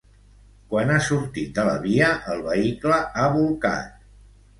Quan ha sortit de la via, el vehicle ha bolcat.